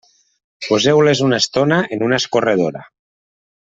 Poseu-les una estona en una escorredora.